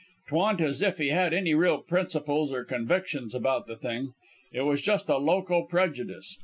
'Twa'n't as if he had any real principles or convictions about the thing. It was just a loco prejudice.